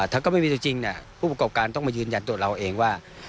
ถ้าก็ไม่มีตัวจริงผู้ประกอบการต้องมายืนยันตัวเราเองว่า